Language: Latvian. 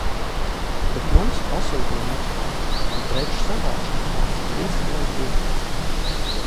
Bet mums pasūtījuma apstrāde un preču savākšana prasa vismaz diennakti.